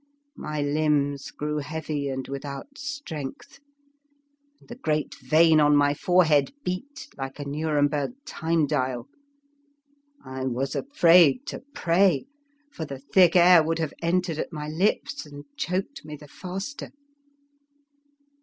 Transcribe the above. My limbs grew heavy and without strength, and the great vein on my forehead beat like a Nurem berg time dial. I was afraid to pray, for the thick air would have entered at my lips and choked me the faster.